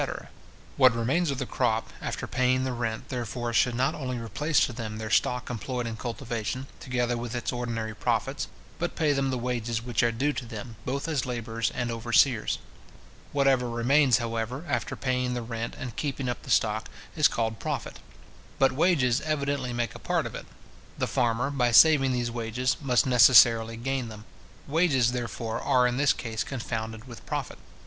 What remains of the crop, after paying the rent, therefore, should not only replace to them their stock employed in cultivation, together with its ordinary profits, but pay them the wages which are due to them, both as labourers and overseers. Whatever remains, however, after paying the rent and keeping up the stock, is called profit. But wages evidently make a part of it. The farmer, by saving these wages, must necessarily gain them. Wages, therefore, are in this case confounded with profit.